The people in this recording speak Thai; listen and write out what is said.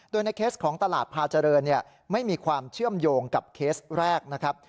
โดยในเคสของตลาดพาเจริญไม่มีความเชื่อมโยงกับเคสแรกนะครับ